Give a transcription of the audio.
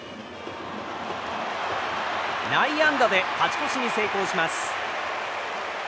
内野安打で勝ち越しに成功します。